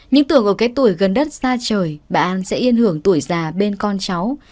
những tưởng ở cái tuổi gần đất xa trời bà an sẽ yên hưởng tuổi già bên con cháu